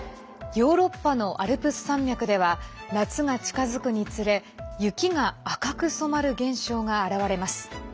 ヨーロッパのアルプス山脈では夏が近づくにつれ雪が赤く染まる現象が現れます。